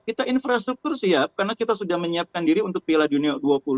kita infrastruktur siap karena kita sudah menyiapkan diri untuk piala dunia u dua puluh